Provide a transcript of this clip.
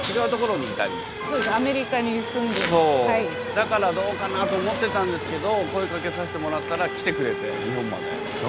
だからどうかなと思ってたんですけど声かけさせてもらったら来てくれて日本まで。